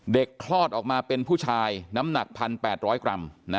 คลอดออกมาเป็นผู้ชายน้ำหนัก๑๘๐๐กรัม